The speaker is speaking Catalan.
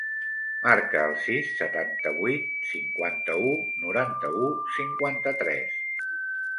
Marca el sis, setanta-vuit, cinquanta-u, noranta-u, cinquanta-tres.